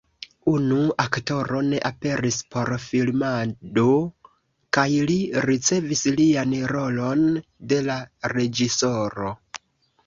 Unu aktoro ne aperis por filmado kaj li ricevis lian rolon de la reĝisoro.